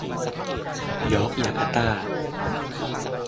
ยอร์คยาการ์ต้า